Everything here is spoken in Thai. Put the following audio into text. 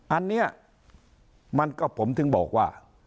อันนี้มันก็ผมถึงบอกว่า